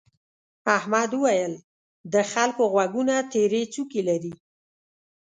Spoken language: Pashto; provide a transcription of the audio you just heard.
احمد وويل: د خلکو غوږونه تيرې څوکې لري.